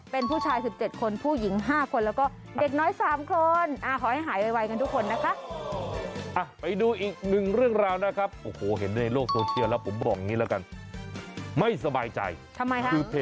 เป็นผู้ชาย๑๗คนผู้หญิง๕คนแล้วก็เด็กน้อย๓คน